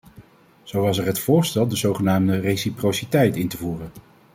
Zo was er het voorstel de zogenaamde reciprociteit in te voeren.